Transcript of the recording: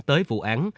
tới vụ án